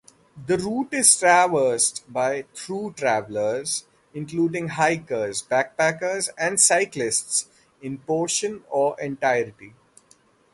The route is traversed by "through-travelers" including hikers, backpackers and cyclists-in portion or entirety.